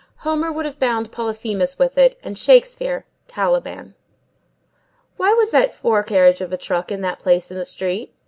Homer would have bound Polyphemus with it, and Shakespeare, Caliban. Why was that fore carriage of a truck in that place in the street?